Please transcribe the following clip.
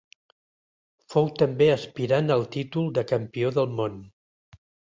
Fou també aspirant al títol de campió del món.